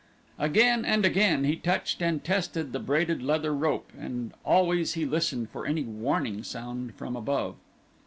Again and again he touched and tested the braided leather rope, and always he listened for any warning sound from above.